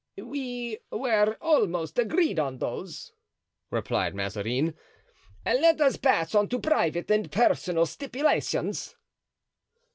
"We were almost agreed on those," replied Mazarin; "let us pass on to private and personal stipulations."